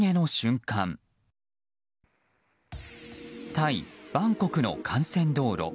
タイ・バンコクの幹線道路。